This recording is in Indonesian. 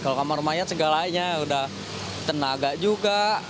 kalau kamar mayat segalanya udah tenaga juga